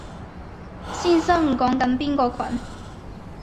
先生講緊邊個群？